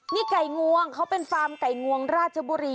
นี่ไก่งวงเขาเป็นฟาร์มไก่งวงราชบุรี